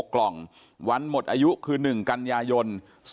กล่องวันหมดอายุคือ๑กันยายน๒๕๖